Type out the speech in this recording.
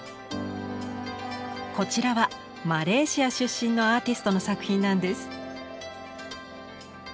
こちらはマレーシア出身のアーティストの作品なんです。